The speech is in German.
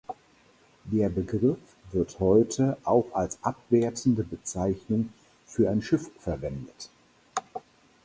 Der Begriff wird heute auch als abwertende Bezeichnung für ein Schiff verwendet.